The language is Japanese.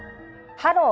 「ハロー！